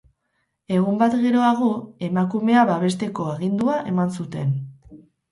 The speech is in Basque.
Egun bat geroago, emakumea babesteko agindua eman zuten.